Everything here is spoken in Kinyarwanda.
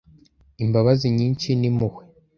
Imbabazi nyinshi n’impuhwe